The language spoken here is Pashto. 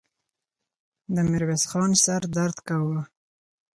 د ميرويس خان سر درد کاوه.